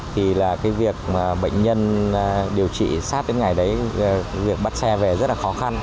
thì là cái việc mà bệnh nhân điều trị sát đến ngày đấy việc bắt xe về rất là khó khăn